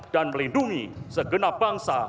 dan melindungi segenap bangsa